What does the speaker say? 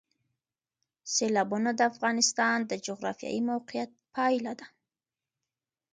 سیلابونه د افغانستان د جغرافیایي موقیعت پایله ده.